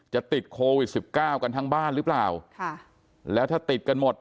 จะติดโควิดสิบเก้ากันทั้งบ้านหรือเปล่าค่ะแล้วถ้าติดกันหมด